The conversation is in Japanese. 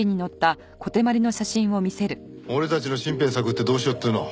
俺たちの身辺探ってどうしようっていうの？